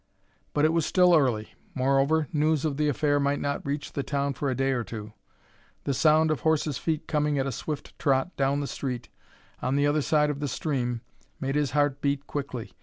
But it was still early; moreover, news of the affair might not reach the town for a day or two. The sound of horses' feet coming at a swift trot down the street on the other side of the stream made his heart beat quickly.